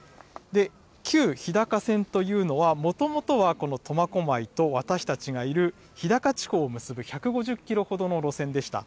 旧日高線というのは、もともとはこの苫小牧と私たちがいる日高地方を結ぶ１５０キロほどの路線でした。